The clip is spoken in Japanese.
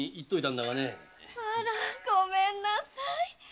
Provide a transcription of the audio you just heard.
あらごめんなさい！